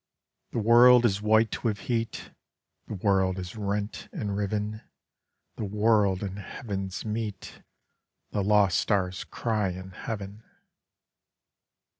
The world is white with heat; The world is rent and riv'n; The world and heavens meet; The lost stars cry in heav'n.